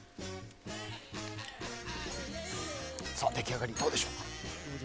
出来上がり、どうでしょう？